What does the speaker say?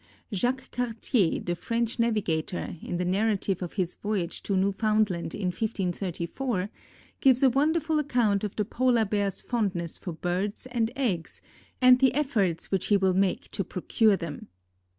Jacques Cartier, the French navigator, in the narrative of his voyage to Newfoundland in 1534 gives a wonderful account of the Polar Bear's fondness for birds and eggs and the efforts which he will make to procure them.